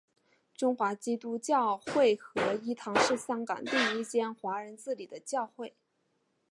中华基督教会合一堂是香港第一间华人自理的教会。